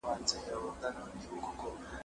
زه له سهاره چای څښم!؟